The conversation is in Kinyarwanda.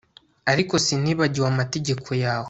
ariko sinibagiwe amategeko yawe